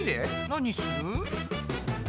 何する？